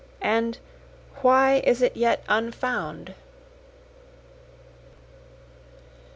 And why is it yet unfound?)